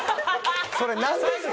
それなんですか？